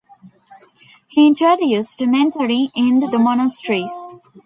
He introduced mentoring in the monasteries.